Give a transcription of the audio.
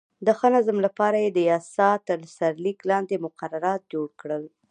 د ښه نظم لپاره یې د یاسا تر سرلیک لاندې مقررات جوړ کړل.